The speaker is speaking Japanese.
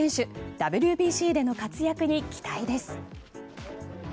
ＷＢＣでの活躍に期待です。